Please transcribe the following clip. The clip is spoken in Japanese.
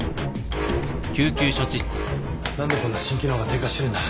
何でこんな心機能が低下してるんだ。